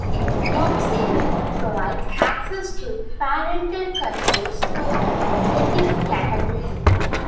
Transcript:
Moxi Menu provides access to parental controls through the settings category.